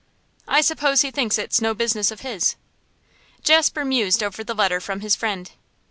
'I suppose he thinks it's no business of his.' Jasper mused over the letter from his friend.